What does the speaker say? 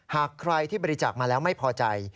หากใครที่บริจาคมาแล้วไม่พอใจ